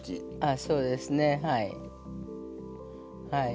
あそうですねはい。